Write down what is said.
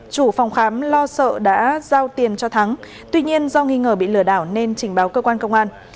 chủ phòng khám lo sợ đã giao tiền cho thắng tuy nhiên do nghi ngờ bị lừa đảo nên trình báo cơ quan công an